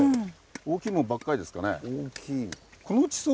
大きいもんばかりですかね。